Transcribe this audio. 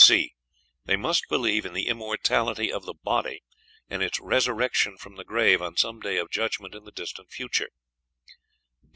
c. They must believe in the immortality of the body, and its resurrection from the grave on some day of judgment in the distant future.